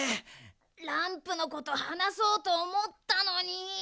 ランプのことはなそうとおもったのに。